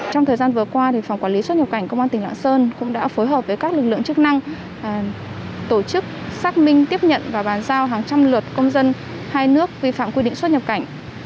trong thời gian vừa qua phòng quản lý xuất nhập cảnh công an tỉnh lạng sơn cũng đã phối hợp với các lực lượng chức năng tổ chức xác minh tiếp nhận và bàn giao hàng trăm lượt công dân hai nước vi phạm quy định xuất nhập cảnh